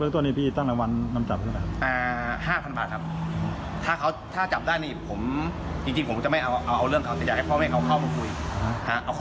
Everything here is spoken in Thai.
ตัวนี้พี่ตั้งรางวันนำจับหรือเปล่า